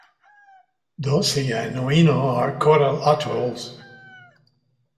Ducie and Oeno are coral atolls.